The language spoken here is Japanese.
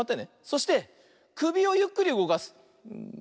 そしてくびをゆっくりうごかす。